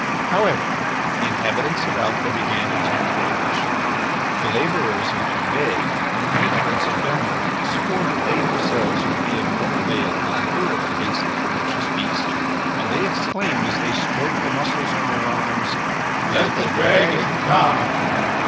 However, the inhabitants of Alca began to take courage. The labourers of Dombes and the neatherds of Belmont swore that they themselves would be of more avail than a girl against the ferocious beast, and they exclaimed as they stroked the muscles on their arms, "Let the dragon come!"